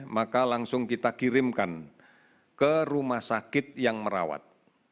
maka langsung kita kirimkan ke rumah sakit yang merawat